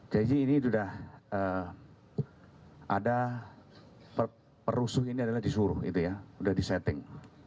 jadi ini sudah ada perusuh ini adalah disuruh itu ya sudah disetting